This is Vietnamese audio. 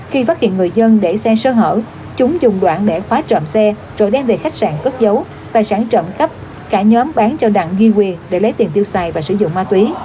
khi phát hiện người dân để xe sơ hở chúng dùng đoạn để khóa trộm xe rồi đem về khách sạn cất dấu tài sản trộm cắp cả nhóm bán cho đặng duy quyền để lấy tiền tiêu xài và sử dụng ma túy